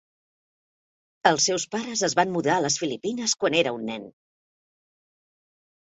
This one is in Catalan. Els seus pares es van mudar a les Filipines quan era un nen.